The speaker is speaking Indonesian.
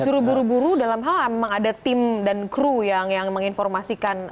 disuruh buru buru dalam hal memang ada tim dan kru yang menginformasikan